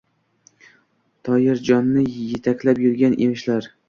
Toyirjonni yetaklab yurgan emishlar.